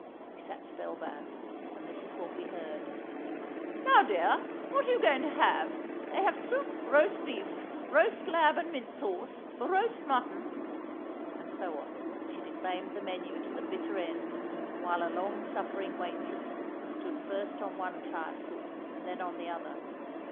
We sat spell bound, and this is what we heard: "Now, dear, what are you going to have? They have soup, roast beef, roast lamb and mint sauce, roast mutton" (and so on, she declaimed the menu to the bitter end, while a long suffering waitress stood first on one tired foot and then on the other).